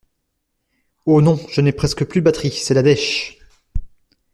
Ho non, je n'ai presque plus de batterie, c'est la dèch.